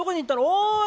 おい！